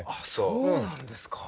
そうなんですか。